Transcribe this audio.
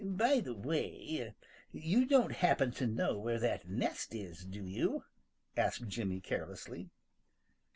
"By the way, you don't happen to know where that nest is, do you?" asked Jimmy carelessly.